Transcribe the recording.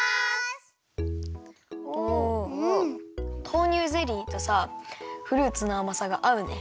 豆乳ゼリーとさフルーツのあまさがあうね。